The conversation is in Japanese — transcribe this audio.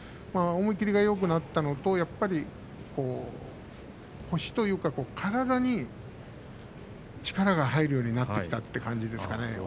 思い切りがよくなったのとやっぱり、腰というか体に力が入るようになってきた感じですね。